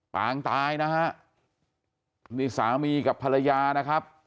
ปางตายนะฮะนี่สามีกับภรรยานะครับ